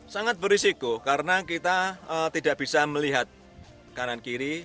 sangat berisiko karena kita tidak bisa melihat kanan kiri